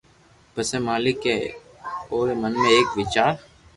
پسي مالڪ اي اوري من ۾ ايڪ ويچار